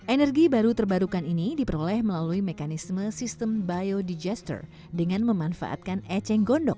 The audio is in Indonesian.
energi baru terbarukan ini diperoleh melalui mekanisme sistem biodigester dengan memanfaatkan eceng gondok